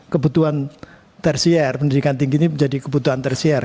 kebutuhan tersier pendidikan tinggi ini menjadi kebutuhan tersiar